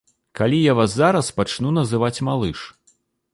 Калі я вас зараз пачну называць малыш?